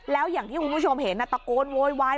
แล้วอย่างที่คุณผู้ชมเห็นตะโกนโวยวาย